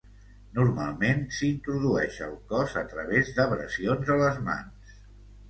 Normalment s'introdueix al cos a través d'abrasions a les mans.